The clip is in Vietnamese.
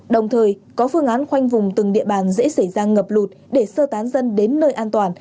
đồng thời có phương án khoanh vùng từng địa bàn dễ xảy ra ngập lụt để sơ tán dân đến nơi an toàn